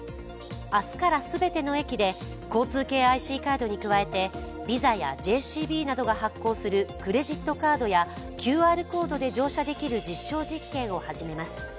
明日から、全ての駅で交通系ＩＣカードに加えてＶＩＳＡやＪＣＢなどが発行するクレジットカードやＱＲコードで乗車できる実証実験を始めます。